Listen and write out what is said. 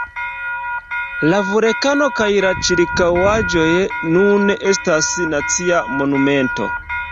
La vulkano kaj la ĉirkaŭaĵoj nun estas nacia monumento.